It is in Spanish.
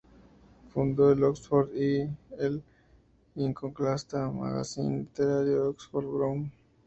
Fundó en Oxford el iconoclasta magacín literario "Oxford Broom".